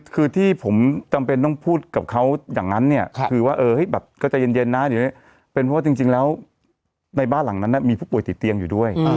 คือที่ผมจำเป็นต้องพูดกับเขาอย่างนั้นเนี่ยคือว่าแบบก็ใจเย็นนะเดี๋ยวนี้เป็นเพราะว่าจริงแล้วในบ้านหลังนั้นมีผู้ป่วยติดเตียงอยู่ด้วย